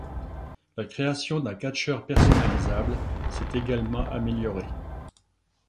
La création d'un catcheur personnalisable s'est également améliorée.